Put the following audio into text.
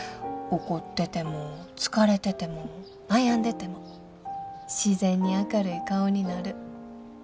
怒ってても疲れてても悩んでても自然に明るい顔になる。